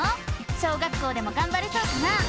小学校でもがんばれそうかな？